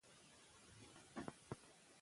ناڅاپه غوسه د ژوند په بېلابېلو برخو اغېز کوي.